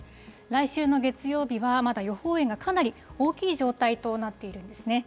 来週の月曜日は、まだ予報円がかなり大きい状態となっているんですね。